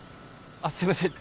あっすいません